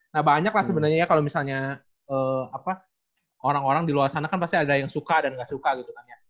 nah banyak lah sebenarnya ya kalau misalnya orang orang di luar sana kan pasti ada yang suka dan nggak suka gitu kan ya